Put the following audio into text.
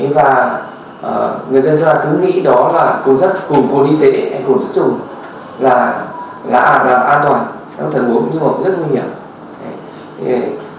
và người dân chúng ta cứ nghĩ đó là cồn sắt cồn cồn y tế hay cồn sắt trùng là an toàn nó thật uống nhưng mà cũng rất nguy hiểm